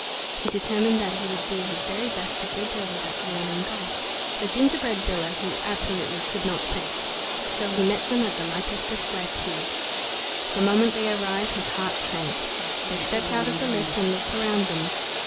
He determined that he would do his very best to bridge over that yawning gulf. The gingerbread villa he absolutely could not face, so he met them at the Leicester Square Tube. The moment they arrived, his heart sank. They stepped out of the lift and looked around them.